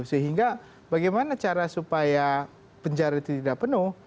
sehingga bagaimana cara supaya penjara itu tidak penuh